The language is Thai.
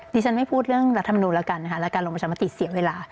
ฉันไม่พูดเรื่องรัฐมนูลแล้วกันนะคะและการลงประชามติเสียเวลา